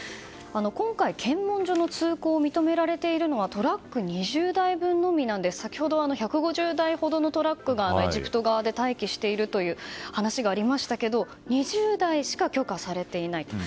今回、検問所の通行を認められているのはトラック２０台分のみで先ほどは１５０台ほどのトラックがエジプト側で待機しているという話がありましたけれども２０台しか許可されていないと。